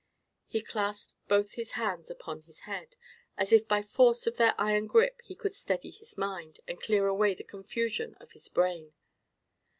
He clasped both his hands upon his head, as if by force of their iron grip he could steady his mind, and clear away the confusion of his brain.